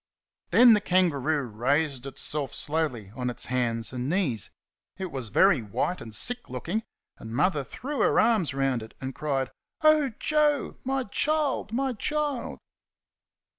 Then the kangaroo raised itself slowly on to its hands and knees. It was very white and sick looking, and Mother threw her arms round it and cried, "Oh, Joe! My child! my child!"